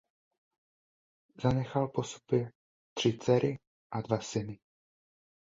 Zanechal po sobě tři dcery a dva syny.